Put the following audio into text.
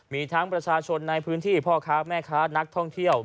มีทั้งประชาชนในพื้นที่พ่อค้าแม่ค้านักท่องเที่ยว